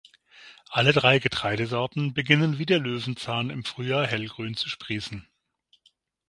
Alle drei Getreidesorten beginnen wie der Löwenzahn im Frühjahr hellgrün zu sprießen.